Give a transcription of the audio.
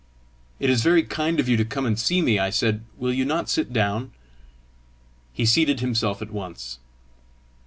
"It is very kind of you to come and see me," I said. "Will you not sit down?" He seated himself at once.